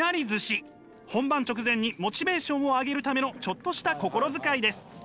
本番直前にモチベーションを上げるためのちょっとした心遣いです。